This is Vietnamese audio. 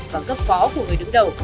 và cấp phó của người đứng đầu